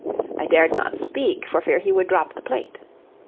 I dared not speak, for fear he would drop the plate.